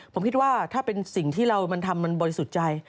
ผมคิดว่าถ้าเป็นสิ่งที่เรามันทำมันบริสุทธิ์ใจ